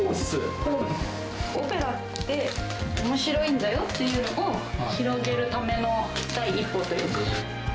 オペラっておもしろいんだよっていうのを広げるための第一歩というか。